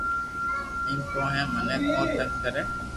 ايم ڪون ھي مني ڪون تنگ ڪري